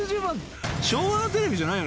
昭和のテレビじゃないの？